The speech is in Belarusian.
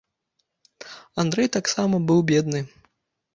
Андрэй таксама быў бедны.